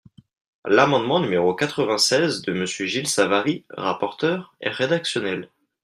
L’amendement numéro quatre-vingt-seize de Monsieur Gilles Savary, rapporteur, est rédactionnel.